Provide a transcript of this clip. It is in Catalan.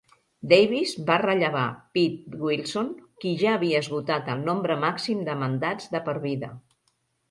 Davis va rellevar Pete Wilson qui ja havia esgotat el nombre màxim de mandats de per vida.